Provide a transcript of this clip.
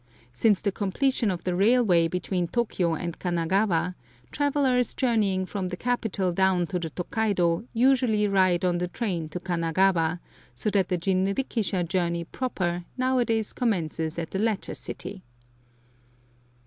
Since the completion of the railway between Tokio and Kanagawa, travellers journeying from the capital down the Tokaido usually ride on the train to Kanagawa, so that the jinrikisha journey proper nowadays commences at the latter city.